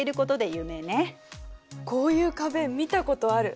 こういう壁見たことある。